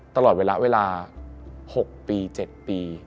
ตลอดเวลา๖ปี๗ปี